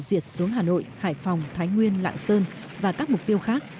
diệt xuống hà nội hải phòng thái nguyên lạng sơn và các mục tiêu khác